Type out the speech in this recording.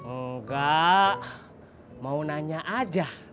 enggak mau nanya aja